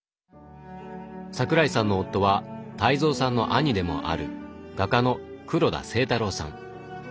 桜井さんの夫は泰蔵さんの兄でもある画家の黒田征太郎さん。